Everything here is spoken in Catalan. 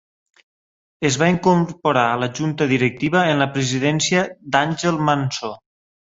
Es va incorporar a la Junta Directiva en la presidència d'Àngel Manso.